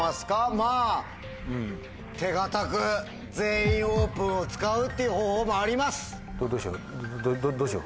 まぁ手堅く「全員オープン」を使うっていう方法もあります。